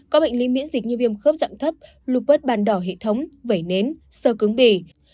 có bệnh lý miễn dịch như viêm khớp dặn thấp lục vớt bàn đỏ hệ thống vẩy nến sơ cứng bì